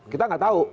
kita nggak tahu